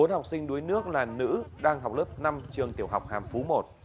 bốn học sinh đuối nước là nữ đang học lớp năm trường tiểu học hàm phú một